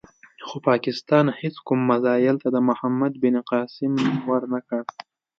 خو پاکستان هېڅ کوم میزایل ته د محمد بن قاسم نوم ور نه کړ.